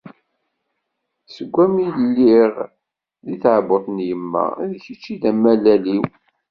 Seg wami i lliɣ di tɛebbuṭ n yemma, d kečč i d amalal-iw.